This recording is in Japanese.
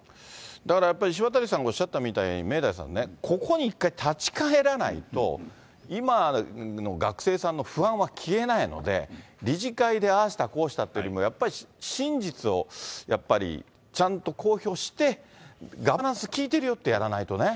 だからやっぱり、石渡さんがおっしゃったみたいに明大さんね、ここに一回、立ち返らないと、今の学生さんの不安は消えないので、理事会でああした、こうしたっていうよりも、やっぱり真実をやっぱりちゃんと公表して、ガバナンスきいてるよってやらないとね。